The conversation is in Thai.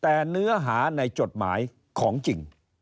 แต่เนื้อหาในจดหมายของจริง